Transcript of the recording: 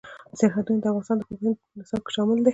سرحدونه د افغانستان د پوهنې نصاب کې شامل دي.